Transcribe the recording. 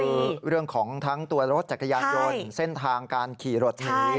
คือเรื่องของทั้งตัวรถจักรยานยนต์เส้นทางการขี่รถหนี